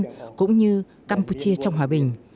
các bạn giúp đỡ campuchia trong hòa bình